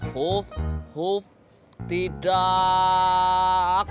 huf huf tidak